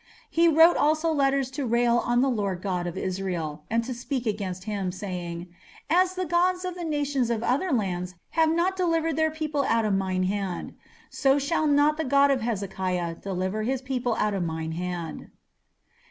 "He wrote also letters to rail on the Lord God of Israel, and to speak against him, saying, As the gods of the nations of other lands have not delivered their people out of mine hand, so shall not the God of Hezekiah deliver his people out of mine hand."